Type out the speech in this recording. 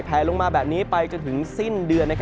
ลงมาแบบนี้ไปจนถึงสิ้นเดือน